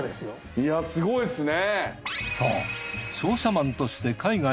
いやすごいですね。